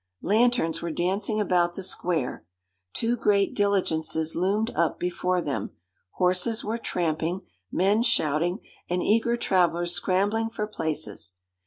Lanterns were dancing about the square, two great diligences loomed up before them, horses were tramping, men shouting, and eager travellers scrambling for places.